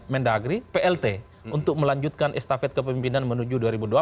mendagri plt untuk melanjutkan estafet kepemimpinan menuju dua ribu dua puluh empat